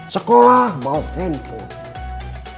sekolah bawa handphone